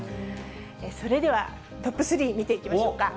それでは、トップ３見ていきましょうか。